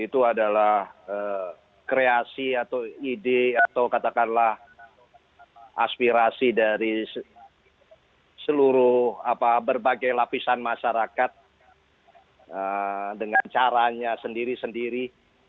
itu adalah kreasi atau ide atau katakanlah aspirasi dari seluruh berbagai lapisan masyarakat dengan caranya sendiri sendiri